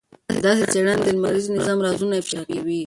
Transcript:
داسې څېړنې د لمریز نظام رازونه افشا کوي.